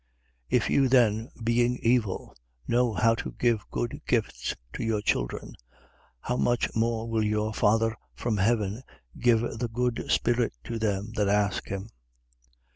11:13. If you then, being evil, know how to give good gifts to your children, how much more will your Father from heaven give the good Spirit to them that ask him?